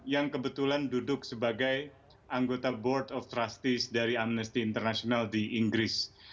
yang kebetulan duduk sebagai anggota board of trusties dari amnesty international di inggris